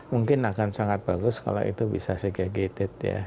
mungkin akan sangat bagus kalau itu bisa secagated ya